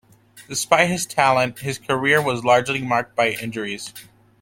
Despite his talent, his career was largely marked by injuries.